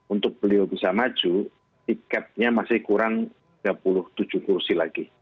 untuk beliau bisa maju tiketnya masih kurang tiga puluh tujuh kursi lagi